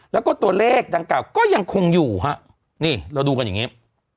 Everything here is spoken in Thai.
แล้วก็ตัวเลขดังกล่าก็ยังคงอยู่ฮะนี่เราดูกันอย่างนี้